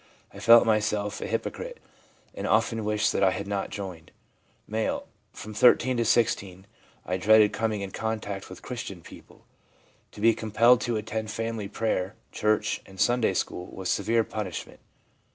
I felt myself a hypo crite, and often wished that I had not joined.' M. 'From 13 to 16 I dreaded coming in contact with Christian people ; to be compelled to attend family prayer, church and Sunday school was severe punish ment.